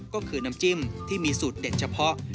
ก็คือน้ำจิ้มที่มีสูตรเด็ดเฉพาะ